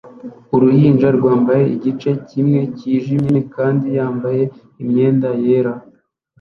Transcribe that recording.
Uruhinja rwambaye igice kimwe cyijimye kandi yambaye imyenda yera